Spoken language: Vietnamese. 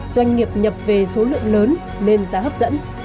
doanh nghiệp nhập về số lượng lớn nên giá hấp dẫn